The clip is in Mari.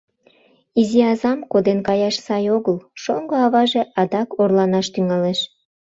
Изи азам коден каяш сай огыл, шоҥго аваже адак орланаш тӱҥалеш.